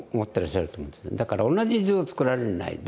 だから同じ図を作られないで。